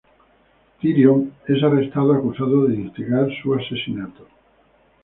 Tyrion es arrestado acusado de instigar su asesinato.